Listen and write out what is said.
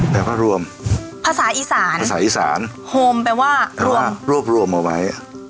แล้วก็รวมภาษาอีสานภาษาอีสานโฮมแปลว่ารวบรวมเอาไว้